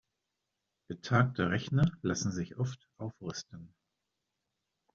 Betagte Rechner lassen sich oft aufrüsten.